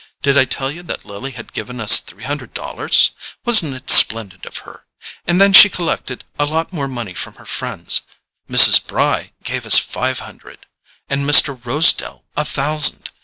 Did I tell you that Lily had given us three hundred dollars? Wasn't it splendid of her? And then she collected a lot of money from her friends—Mrs. Bry gave us five hundred, and Mr. Rosedale a thousand.